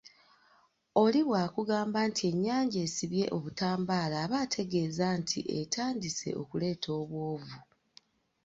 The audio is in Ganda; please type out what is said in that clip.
Oli bw'akugamba nti ennyanja esibye obutambaala aba ategeeza nti etandise okuleeta obwovu